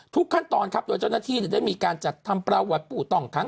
ทุกขั้นตอนครับตัวเจ้าหน้าที่จะได้มีการจัดทำประวัติปุตรต่องขัง